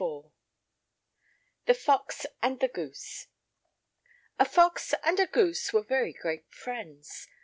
The Fox and the Goose A fox and a goose were very great friends.